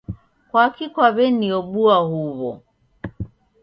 kwaki kwaw'eniobua huwo?